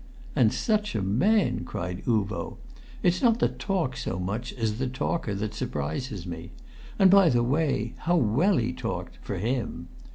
"And such a man!" cried Uvo. "It's not the talk so much as the talker that surprises me; and by the way, how well he talked, for him!